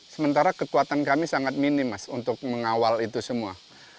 sementara kekuatan kami sangat minim mas untuk mengawal itu semua